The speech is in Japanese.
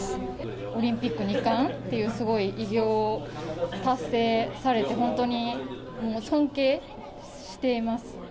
オリンピック２冠というすごい偉業を達成されて、本当に、もう尊敬しています。